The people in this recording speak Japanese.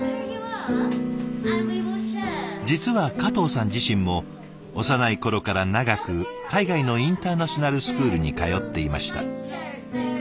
実は加藤さん自身も幼い頃から長く海外のインターナショナルスクールに通っていました。